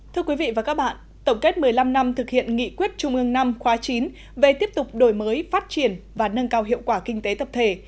thưa quý vị và các bạn tổng kết một mươi năm năm thực hiện nghị quyết trung ương năm khóa chín về tiếp tục đổi mới phát triển và nâng cao hiệu quả kinh tế tập thể